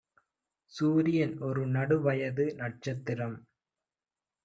சூரியன் ஒரு நடுவயது நட்சத்திரம்